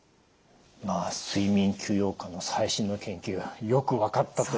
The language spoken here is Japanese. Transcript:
睡眠休養感の最新の研究よく分かったというか。